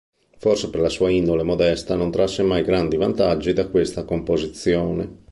Forse per la sua indole modesta, non trasse mai grandi vantaggi da questa composizione.